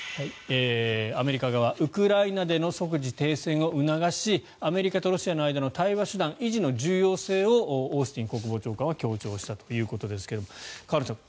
アメリカ側ウクライナでの即時停戦を促しアメリカとロシアの間の対話手段維持の重要性をオースティン国防長官は強調したということですが河野さん